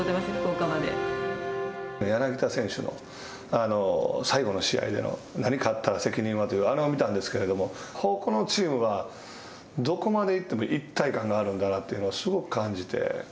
柳田選手の最後の試合での何かあったら責任は、というあれを見たんですけれどもこのチームはどこまでいっても一体感があるんだなというのをすごく感じて。